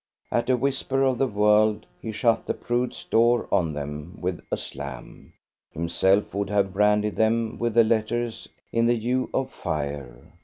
At a whisper of the world he shut the prude's door on them with a slam; himself would have branded them with the letters in the hue of fire.